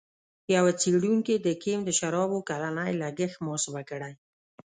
یوه څېړونکي د کیم د شرابو کلنی لګښت محاسبه کړی.